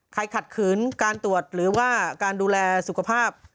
ขัดขืนการตรวจหรือว่าการดูแลสุขภาพ